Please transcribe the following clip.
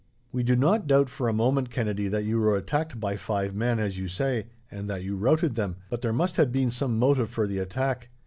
"We do not doubt for a moment, Kennedy, that you were attacked by five men, as you say, and that you routed them, but there must have been some motive for the attack.